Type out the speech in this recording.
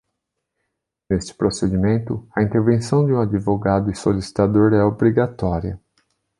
Neste procedimento, a intervenção de um advogado e solicitador é obrigatória.